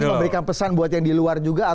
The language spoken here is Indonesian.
ya itu memberikan pesan buat yang di luar juga atau